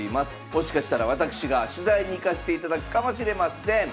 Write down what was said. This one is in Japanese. もしかしたら私が取材に行かせていただくかもしれません。